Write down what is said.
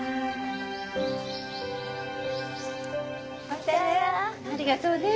ありがとうね。